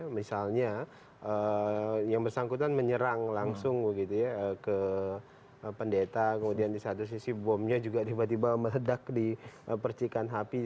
misalnya yang bersangkutan menyerang langsung begitu ya ke pendeta kemudian di satu sisi bomnya juga tiba tiba meledak di percikan api